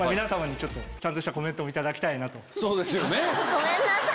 ごめんなさい！